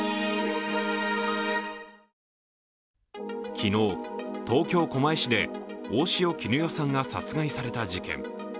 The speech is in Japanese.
昨日、東京・狛江市で大塩衣与さんが殺害された事件。